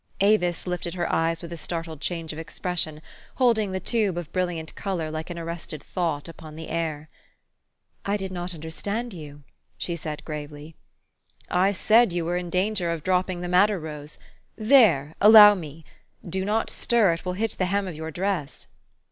Avis lifted her eyes with a startled change of ex pression, holding the tube of brilliant color like an arrested thought upon the air. " I did not understand you," she said gravely. " I said you were in danger of dropping the mad der rose. There ! Allow me. Do not stir : it will hit the hem of your dress."